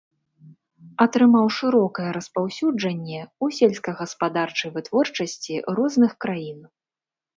Атрымаў шырокае распаўсюджанне ў сельскагаспадарчай вытворчасці розных краін.